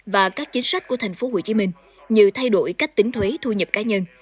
và các chính sách của tp hcm như thay đổi cách tính thuế thu nhập cá nhân